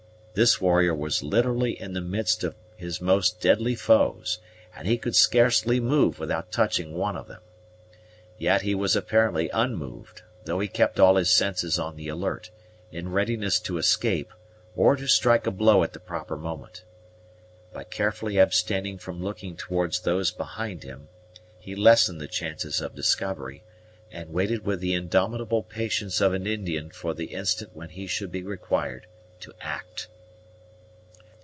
This warrior was literally in the midst of his most deadly foes, and he could scarcely move without touching one of them. Yet he was apparently unmoved, though he kept all his senses on the alert, in readiness to escape, or to strike a blow at the proper moment. By carefully abstaining from looking towards those behind him, he lessened the chances of discovery, and waited with the indomitable patience of an Indian for the instant when he should be required to act.